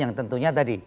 yang tentunya tadi